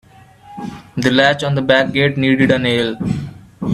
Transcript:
The latch on the back gate needed a nail.